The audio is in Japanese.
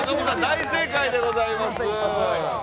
大正解でございます。